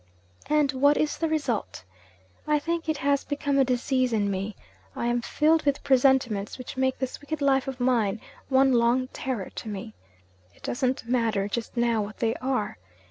And what is the result? I think it has become a disease in me. I am filled with presentiments which make this wicked life of mine one long terror to me. It doesn't matter, just now, what they are.